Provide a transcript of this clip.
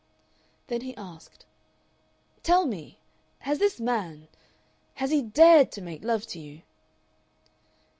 Then he asked, "Tell me! has this man, has he DARED to make love to you?"